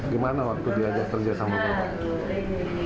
gimana waktu diajak kerja sama bapak